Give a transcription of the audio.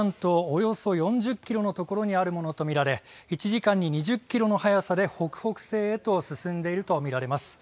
およそ４０キロのところにあるものと見られ１時間に２０キロの速さで北北西へと進んでいると見られます。